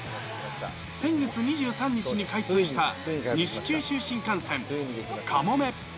先月２３日に開通した西九州新幹線かもめ。